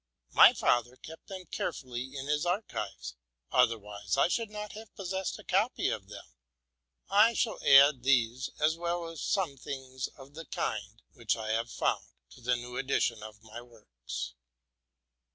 My father kept them carefully in his archives, otherwise I should not have possessed a copy of them. I shall add these, as well as some things of the kind which I have found, to the new edition of my works.